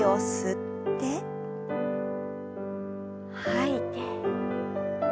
吐いて。